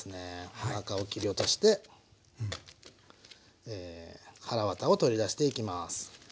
おなかを切り落としてえはらわたを取り出していきます。